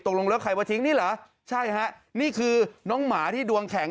ตกลงแล้วใครมาทิ้งนี่เหรอใช่ฮะนี่คือน้องหมาที่ดวงแข็ง